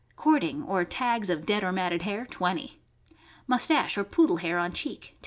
Cording, or tags of dead or mat ted hair 20 Mustache or Poodle hair on cheek